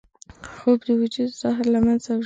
خوب د وجود زهر له منځه وړي